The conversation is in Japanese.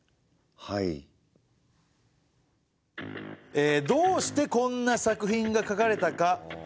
えどうしてこんな作品がかかれたか？